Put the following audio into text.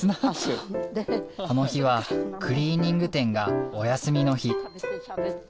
この日はクリーニング店がお休みの日。